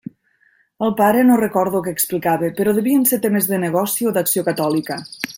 El pare no recordo què explicava, però devien ser temes del negoci o d'Acció Catòlica.